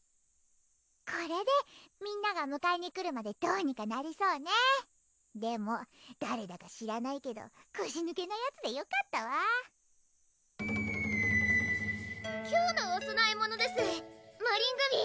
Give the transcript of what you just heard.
これでみんながむかえに来るまでどうにかなりそうねでも誰だか知らないけど腰ぬけなヤツでよかったわ今日のおそなえ物です「マリングミ」